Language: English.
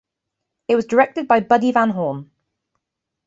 It was directed by Buddy Van Horn.